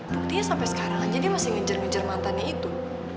buktinya sampai sekarang aja dia masih ngejar ngejar mantannya itu